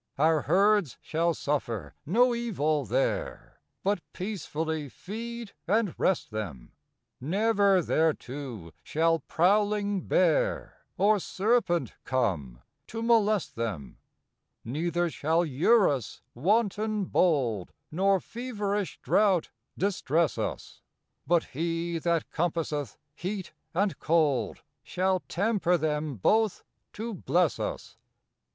Our herds shall suffer no evil there, But peacefully feed and rest them; Never thereto shall prowling bear Or serpent come to molest them. Neither shall Eurus, wanton bold, Nor feverish drought distress us, But he that compasseth heat and cold Shall temper them both to bless us.